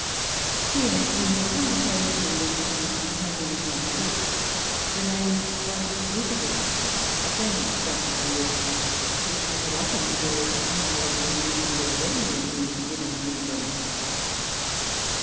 Here, in conversation with some companions travelling on foot, the name Von Dieterich again struck our ears, which we had often heard honorably ineationedl already in these woody regions.